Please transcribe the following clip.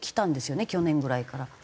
去年ぐらいから。